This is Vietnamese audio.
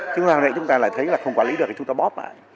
chứ hồi nãy chúng ta lại thấy là không quản lý được thì chúng ta bóp lại